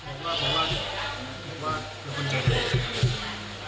พูดเพราะมากพูดเพราะมาก